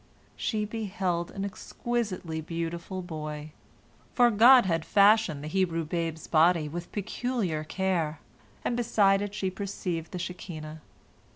She beheld an exquisitely beautiful boy, for God bad fashioned the Hebrew babe's body with peculiar care, and beside it she perceived the Shekinah.